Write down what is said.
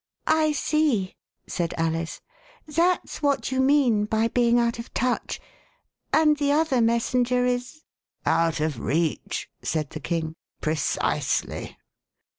I see," said Alice; that's what you mean by being out of touch. And the other Messenger is —Out of reach," said the iting. Precisely."